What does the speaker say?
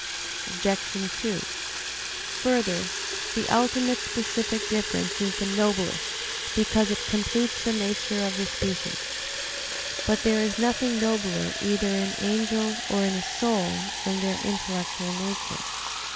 Obj. 2: Further, the ultimate specific difference is the noblest, because it completes the nature of the species. But there is nothing nobler either in an angel or in the soul than their intellectual nature.